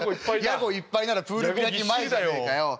ヤゴいっぱいならプール開き前じゃねえかよ。